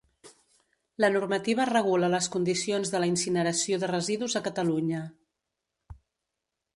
La normativa regula les condicions de la incineració de residus a Catalunya.